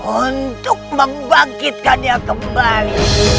untuk membangkitkannya kembali